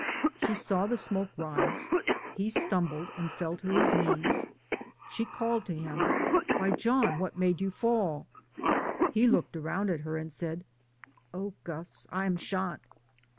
She saw the smoke rise, he stumbled and fell to his knees, she called to him. "Why, John, what made you fall ?" He looked around at her and said, "Oh, Gus, I am shot."